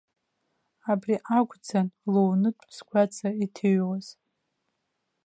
Абри акәӡан лоунытә сгәаҵа иҭыҩуаз.